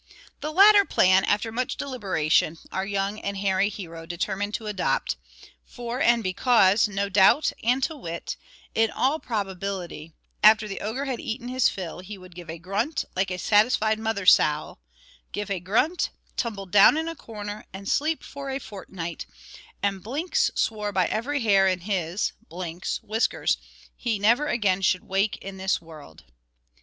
The latter plan, after much deliberation, our young and hairy hero determined to adopt; for and because, no doubt, and to wit, in all probability after the ogre had eaten his fill, he would give a grunt like a satisfied mother sow, give a grunt, tumble down in a corner, and sleep for a fortnight; and Blinks swore by every hair in his (Blinks's) whiskers, he never again should wake in this world.